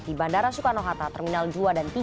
di bandara soekarno hatta terminal dua dan tiga